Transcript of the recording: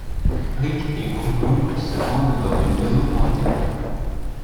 Ric et Bourdon se rendent dans une maison hantée.